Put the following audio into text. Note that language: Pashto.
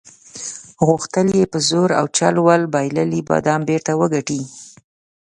غوښتل یې په زور او چل ول بایللي بادام بیرته وګټي.